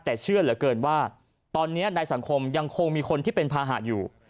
แต่เชื่อเหลือเกินว่าตอนนี้ในสังคมยังคงมีคนที่เป็นภาหะอยู่